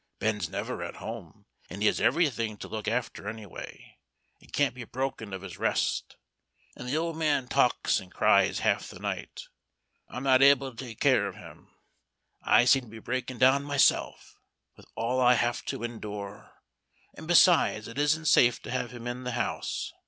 Ben's never at home, and he has everything to look after any way, and can't be broken of his rest, and the old man talks and cries half the night. I'm not able to take care of him I seem to be breaking down myself, with all I have to endure, and besides it isn't safe to have him in the house.